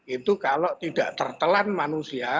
itu kalau tidak tertelan manusia